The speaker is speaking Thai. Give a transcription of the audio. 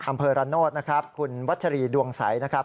อำเภอระโนธนะครับคุณวัชรีดวงใสนะครับ